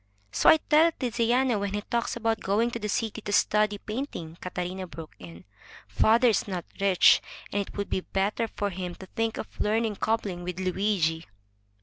So I tell Tiziano when he talks about going to the city to study painting," Catarina broke in. "Father is not rich, and it would be better for him to think of learning cobbling with Luigi."